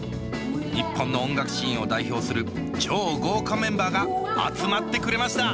日本の音楽シーンを代表する超豪華メンバーが集まってくれました